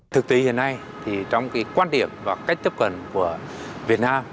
thực tế hiện nay thì trong quan điểm và cách tiếp cận của việt nam